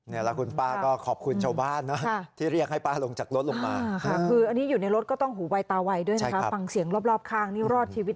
แต่รถนี่เจ็ดปีแล้วนะคะรถมาหลายปีแล้ว